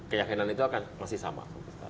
keyakinan itu akan masih sama